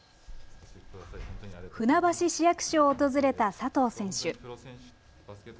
船橋市役所を訪れた佐藤選手。